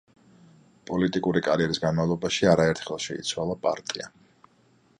პოლიტიკური კარიერის განმავლობაში არაერთხელ შეიცვალა პარტია.